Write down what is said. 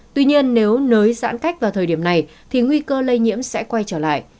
tuy nhiên nếu nới giãn cách vào thời điểm này thì nguy cơ lây nhiễm sẽ quay trở lại